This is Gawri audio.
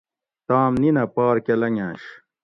تام نِینہ پار کہ لنگنش